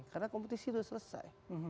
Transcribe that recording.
karena kompetisi sudah selesai